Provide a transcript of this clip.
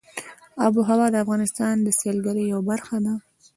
آب وهوا د افغانستان د سیلګرۍ یوه برخه ده.